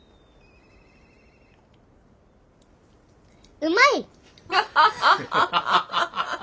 うまい！